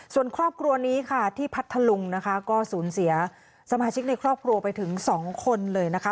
ส่วนครอบครัวนี้ค่ะที่พัทธลุงนะคะก็สูญเสียสมาชิกในครอบครัวไปถึงสองคนเลยนะคะ